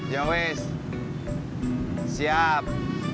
ya wis siap